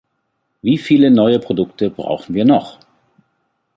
Wie viele neue Produkte brauchen wir noch?